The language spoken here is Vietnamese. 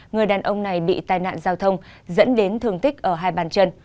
người đàn ông này bị tai nạn giao thông dẫn đến thương tích ở hai bàn chân